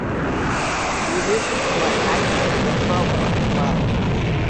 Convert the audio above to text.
Users can select Night mode and Pro mode as well.